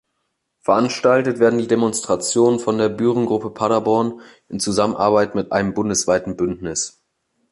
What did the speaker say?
Veranstaltet werden die Demonstrationen von der „Büren-Gruppe Paderborn“ in Zusammenarbeit mit einem bundesweiten Bündnis.